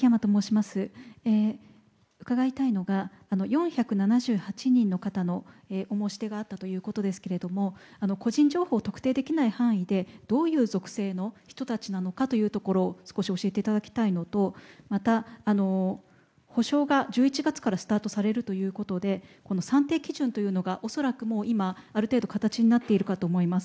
伺いたいのが、４７８人の方のお申し出があったということですが個人情報を特定できない範囲でどういう属性の人たちなのかというところを少し教えていただきたいのとまた、補償が１１月からスタートされるということでこの算定基準というのがおそらく今、ある程度形になっているかと思います。